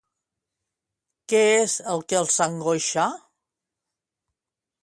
Què és el que els angoixa?